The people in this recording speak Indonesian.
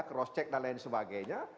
cross check dan lain sebagainya